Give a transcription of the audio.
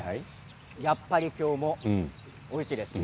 やっぱり今日もおいしいです。